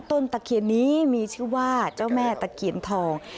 ตะเคียนนี้มีชื่อว่าเจ้าแม่ตะเคียนทอง